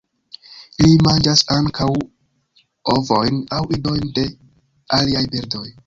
Ili manĝas ankaŭ ovojn aŭ idojn de aliaj birdoj.